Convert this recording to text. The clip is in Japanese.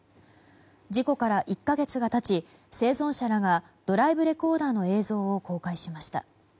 事故から１か月が経ち生存者らがドライブレコーダーの映像を公開しました。